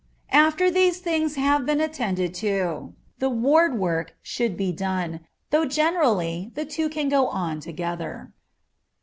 After these things have been attended to, the ward work should be done, though generally the two can go on together.